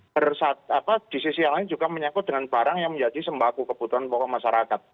persat apa di sisi lain juga menyangkut dengan barang yang menjadi sembahku kebutuhan pokok masyarakat